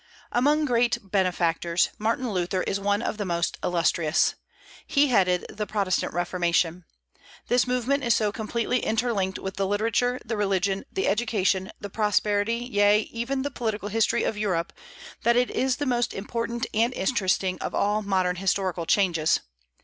Among great benefactors, Martin Luther is one of the most illustrious. He headed the Protestant Reformation. This movement is so completely interlinked with the literature, the religion, the education, the prosperity yea, even the political history of Europe, that it is the most important and interesting of all modern historical changes.